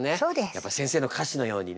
やっぱ先生の歌詞のようにね。